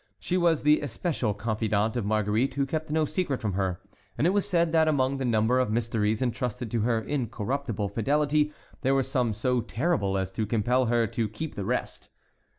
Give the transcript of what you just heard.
She was the especial confidante of Marguerite, who kept no secret from her; and it was said that among the number of mysteries entrusted to her incorruptible fidelity, there were some so terrible as to compel her to keep the rest.